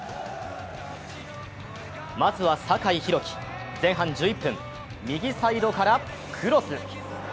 まずは、酒井宏樹、前半１１分、右サイドからクロス。